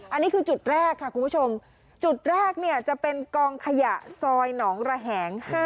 อันนี้คือจุดแรกค่ะคุณผู้ชมจุดแรกเนี่ยจะเป็นกองขยะซอยหนองระแหง๕๗